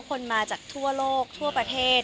คนมาจากทั่วโลกทั่วประเทศ